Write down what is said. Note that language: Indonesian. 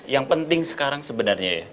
yang penting sekarang sebenarnya ya